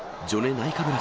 ナイカブラ！